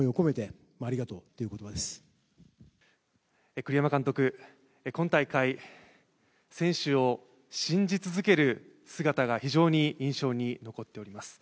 栗山監督、今大会、選手を信じ続ける姿が非常に印象に残っております。